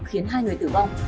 khiến hai người tử vong